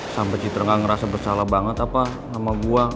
sampai citra nggak ngerasa bersalah banget apa sama gua